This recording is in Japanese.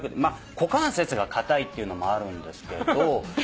股関節が硬いっていうのもあるんですけど。